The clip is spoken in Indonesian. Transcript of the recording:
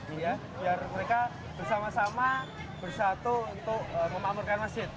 biar mereka bersama sama bersatu untuk memamurkan masjid